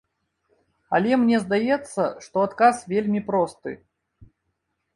Але мне здаецца, што адказ вельмі просты.